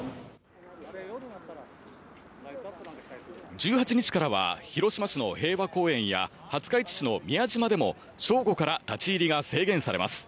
１８日からは広島市の平和公園や廿日市市の宮島でも正午から立ち入りが制限されます。